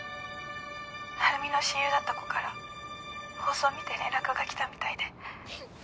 晴美の親友だった子から放送見て連絡が来たみたいで。